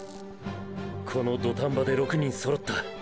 この土壇場で６人揃った！！